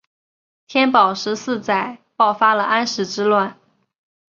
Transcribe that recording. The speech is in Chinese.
天宝十四载爆发了安史之乱。